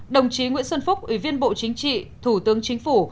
đồng chí nguyễn xuân phúc ủy viên bộ chính trị thủ tướng chính phủ